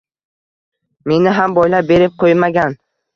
Meni ham boylab berib qoʻymagan.